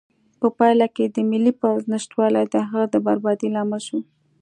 په پایله کې د ملي پوځ نشتوالی د هغه د بربادۍ لامل شو.